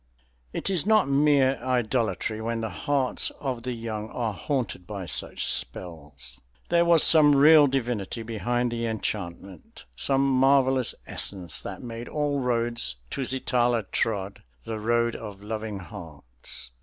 It is not mere idolatry when the hearts of the young are haunted by such spells. There was some real divinity behind the enchantment, some marvellous essence that made all roads Tusitala trod the Road of Loving Hearts.